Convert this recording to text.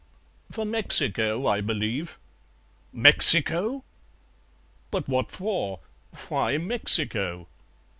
"For Mexico, I believe." "Mexico! But what for? Why Mexico?"